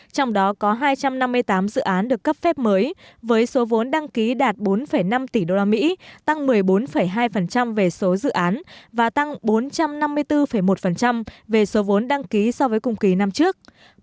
trong đó có hai trăm năm mươi tám dự án được cấp phép mới với số vốn đăng ký đạt bốn năm tỷ usd tăng một mươi bốn hai về số dự án và tăng bốn trăm năm mươi bốn một về số vốn đăng ký so với cùng kỳ năm trước